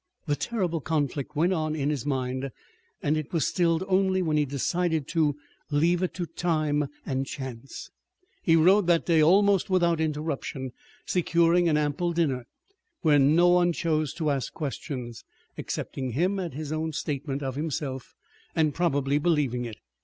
The terrible conflict went on in his mind, and it was stilled only when he decided to leave it to time and chance. He rode that day almost without interruption, securing an ample dinner, where no one chose to ask questions, accepting him at his own statement of himself and probably believing it.